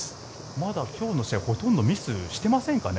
まだ今日の試合ほとんどミスしてませんかね。